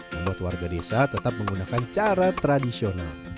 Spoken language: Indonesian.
membuat warga desa tetap menggunakan cara tradisional